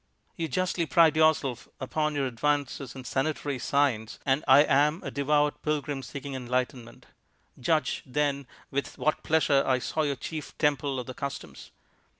"You justly pride yourself upon your advances in sanitary science, and I am a devout pilgrim seeking enlightenment. Judge, then, with what pleasure I saw your chief temple of the customs.